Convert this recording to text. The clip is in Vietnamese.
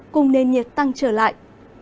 cùng nền nhiệt tăng trở lại